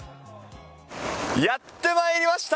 やってまいりました。